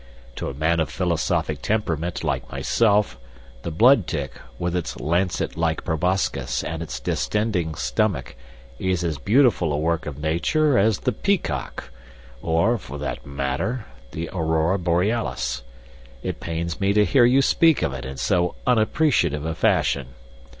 "To a man of philosophic temperament like myself the blood tick, with its lancet like proboscis and its distending stomach, is as beautiful a work of Nature as the peacock or, for that matter, the aurora borealis. It pains me to hear you speak of it in so unappreciative a fashion.